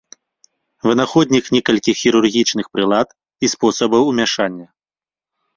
Вынаходнік некалькіх хірургічных прылад і спосабаў умяшання.